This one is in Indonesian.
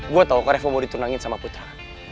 gue tau kok reva mau ditunangin sama putra